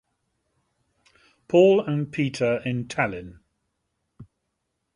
Paul and Peter in Tallinn.